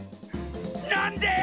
なんで！？